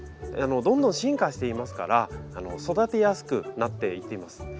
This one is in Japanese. どんどん進化していますから育てやすくなっていっています。